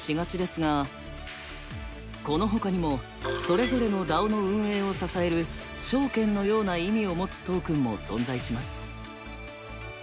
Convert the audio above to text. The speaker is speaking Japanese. このほかにもそれぞれのＤＡＯの運営を支える証券のような意味を持つトークンも存在します。